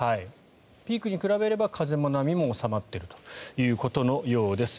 ピークに比べれば風も波も収まっているということのようです。